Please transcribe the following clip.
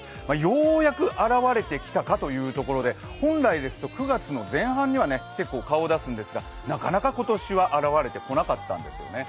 ようやく現れてきたかというところで本来ですと９月の前半には結構顔を出すんですが、なかなか今年はあらわれてこなかったんですね